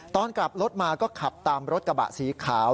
ตอนกลับรถมาก็ขับตามรถกระบะสีขาว